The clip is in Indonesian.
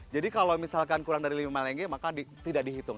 jadi kalau misalkan kurang dari lima lengek maka tidak dihitung